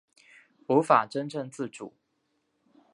无法真正自主